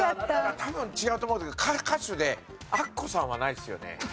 多分違うと思うんだけど歌手でアッコさんはないですよね？